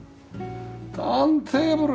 ターンテーブル！